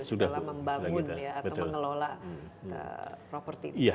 sudah membangun atau mengelola properti